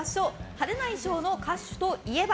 派手な衣装の歌手といえば？